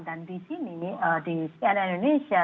dan di sini di cnn indonesia